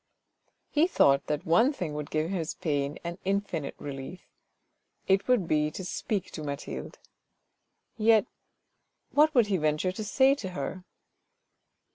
He thought that one thing would give his pain an infinite relief: it would be to speak to Mathilde. Yet what would he venture to say to her